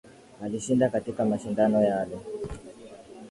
Alishinda katika mashindano yale